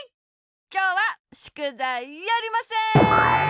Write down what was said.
きょうはしゅくだいやりません！